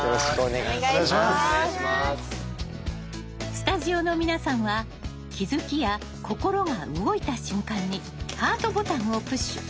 スタジオの皆さんは気づきや心が動いた瞬間にハートボタンをプッシュ。